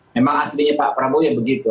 memang aslinya pak prabowo ya begitu